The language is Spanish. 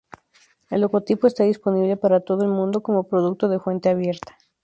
El logotipo está disponible para todo el mundo como producto de fuente abierta.